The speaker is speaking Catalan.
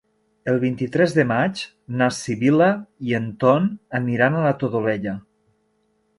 El vint-i-tres de maig na Sibil·la i en Ton aniran a la Todolella.